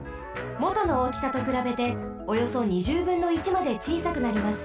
もとのおおきさとくらべておよそ２０ぶんの１までちいさくなります。